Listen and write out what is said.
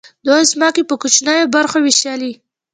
دوی ځمکې په کوچنیو برخو وویشلې.